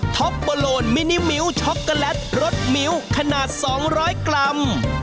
็อปโบโลนมินิมิ้วช็อกโกแลตรสมิ้วขนาด๒๐๐กรัม